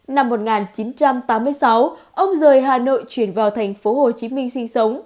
năm một nghìn chín trăm tám mươi sáu ông rời hà nội chuyển vào thành phố hồ chí minh